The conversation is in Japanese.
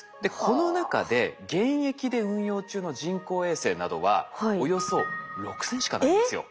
この中で現役で運用中の人工衛星などはおよそ６，０００しかないんですよ。